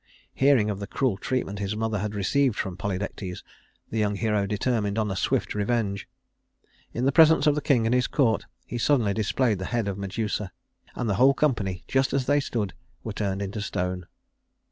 Hearing of the cruel treatment his mother had received from Polydectes, the young hero determined on a swift revenge. In the presence of the king and his court, he suddenly displayed the head of Medusa; and the whole company, just as they stood, were turned into stone.